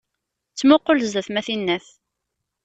Ttmuqul zdat-m, a tinnat!